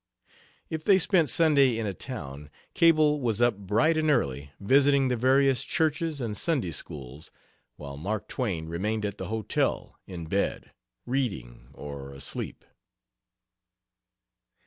If they spent Sunday in a town, Cable was up bright and early visiting the various churches and Sunday schools, while Mark Twain remained at the hotel, in bed, reading or asleep.